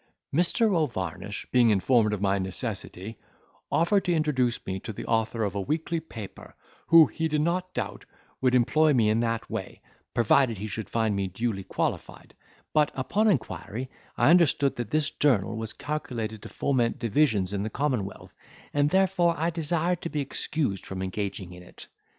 "Mr. O'Varnish, being informed of my necessity, offered to introduce me to the author of a weekly paper, who, he did not doubt, would employ me in that way, provided he should find me duly qualified; but, upon inquiry, I understood that this journal was calculated to foment divisions in the commonwealth, and therefore I desired to be excused from engaging in it.